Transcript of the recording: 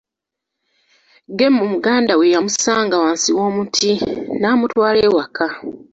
Gemo muganda we yamusanga wansi w'omuti, n'amutwala ewaka.